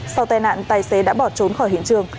sau tai nạn tài xế đã bỏ trốn khỏi hiện trường